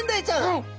はい。